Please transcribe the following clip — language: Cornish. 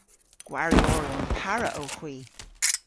Gwarioryon para owgh hwi.